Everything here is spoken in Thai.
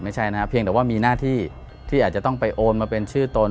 ไม่ใช่นะครับเพียงแต่ว่ามีหน้าที่ที่อาจจะต้องไปโอนมาเป็นชื่อตน